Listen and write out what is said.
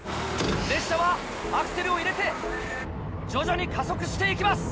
列車はアクセルを入れて徐々に加速して行きます。